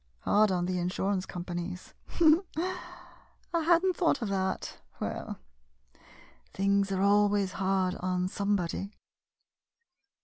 Hard on the in surance companies — I had n't thought of that. Well — things are always hard on somebody.